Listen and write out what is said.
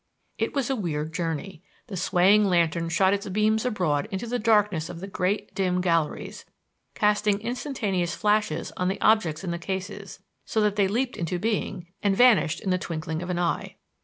It was a weird journey. The swaying lantern shot its beams abroad into the darkness of the great, dim galleries, casting instantaneous flashes on the objects in the cases, so that they leaped into being and vanished in the twinkling of an eye.